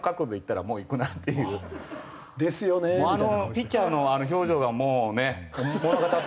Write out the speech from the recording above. ピッチャーのあの表情がもうね物語ってる。